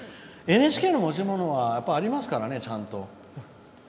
ＮＨＫの持ち物はありますからねちゃんと。